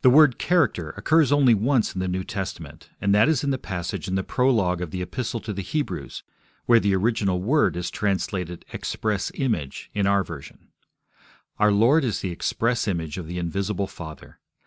The word 'character' occurs only once in the New Testament, and that is in the passage in the prologue of the Epistle to the Hebrews, where the original word is translated 'express image' in our version. Our Lord is the Express Image of the Invisible Father.